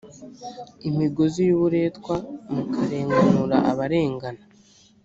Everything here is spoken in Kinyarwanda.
imigozi y uburetwa mukarenganura abarengana